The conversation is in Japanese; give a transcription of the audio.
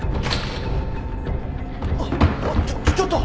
ちょっちょっと！